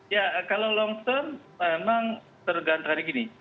ya kalau long term memang tergantar gini